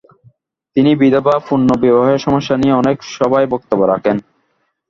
তিনি বিধবা পুনর্বিবাহের সমস্যা নিয়ে অনেক সভায় বক্তব্য রাখেন।